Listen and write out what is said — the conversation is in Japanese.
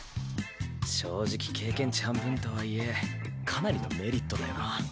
正直経験値半分とはいえかなりのメリットだよな。